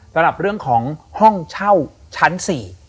เช่าชั้นสี่